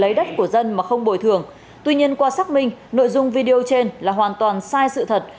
lấy đất của dân mà không bồi thường tuy nhiên qua xác minh nội dung video trên là hoàn toàn sai sự thật